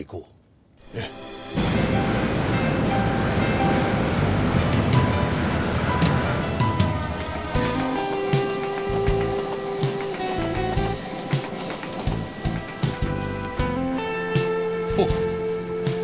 ええ。おっ！